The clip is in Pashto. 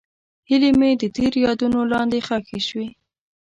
هیلې مې د تېر یادونو لاندې ښخې شوې.